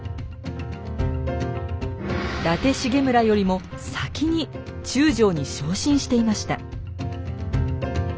伊達重村よりも先に中将に昇進していました。